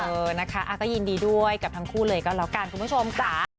เออนะคะก็ยินดีด้วยกับทั้งคู่เลยก็แล้วกันคุณผู้ชมค่ะ